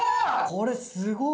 これすごい。